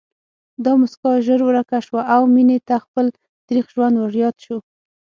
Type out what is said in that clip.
دا مسکا ژر ورکه شوه او مينې ته خپل تريخ ژوند ورياد شو